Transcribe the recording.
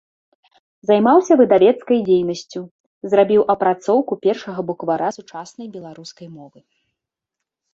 Займаўся выдавецкай дзейнасцю, зрабіў апрацоўку першага буквара сучаснай беларускай мовы.